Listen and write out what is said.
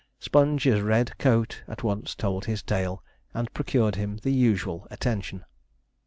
Sponge's red coat at once told his tale, and procured him the usual attention.